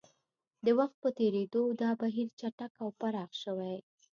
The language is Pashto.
د وخت په تېرېدو دا بهیر چټک او پراخ شوی